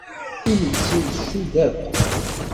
Timetti tcudd akk.